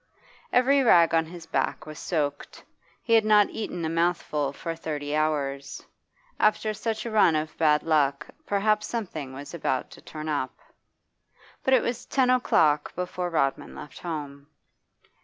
Every rag on his back was soaked; he had not eaten a mouthful for thirty hours. After such a run of bad luck perhaps something was about to turn up. But it was ten o'clock before Rodman left home.